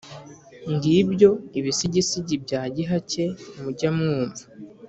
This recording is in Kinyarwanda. ng’ibyo ibisigisigi bya gihake mujya mwumva!